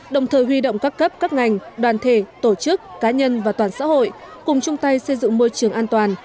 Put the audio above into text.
đồng thời huy động các cấp các ngành đoàn thể tổ chức cá nhân và toàn xã hội cùng chung tay xây dựng môi trường an toàn